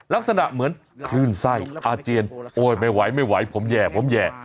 ลักษณะเหมือนคลื่นไส้อาเจียนโอ๊ยไม่ไหวไม่ไหวผมแย่ผมแย่